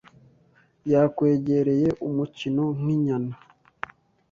yakwegereye umukino nk'inyana.